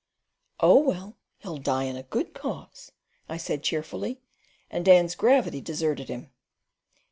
"Oh, well! He'll die in a good cause," I said cheerfully and Dan's gravity deserted him.